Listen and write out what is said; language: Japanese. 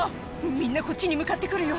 「みんなこっちに向かって来るよ」